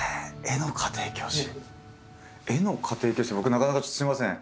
絵の家庭教師って僕なかなかちょっとすいません